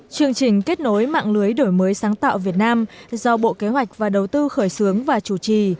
chương trình kết nối mạng lưới đổi mới sáng tạo việt nam do bộ kế hoạch và đầu tư khởi xướng và chủ trì